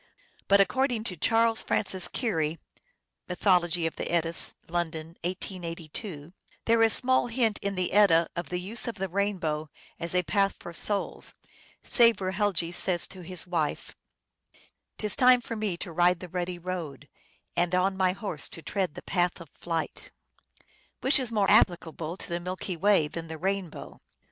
But according to Charles Francis Keary {Mythology of the Eddas, London, 1882), " there is small hint in the Edda of the use of the rainbow as a path for souls, save where Helgi says to his wife, " T is time for me to ride the ruddy road, And on my horse to tread the path of flight, " which is more applicable to the Milky Way than the rainbow.